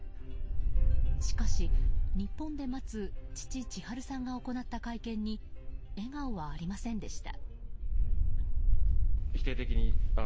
しかし、日本で待つ父・智春さんが行った会見に笑顔はありませんでした。